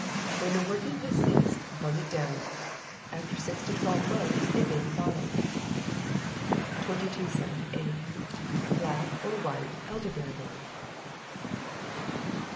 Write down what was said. When the working has ceased, bung it down; after six to twelve months it may be bottled. 2278. Black or White Elderberry Wine.